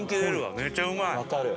めちゃうまい！